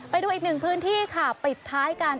ไปดูอีกหนึ่งพื้นที่ค่ะปิดท้ายกัน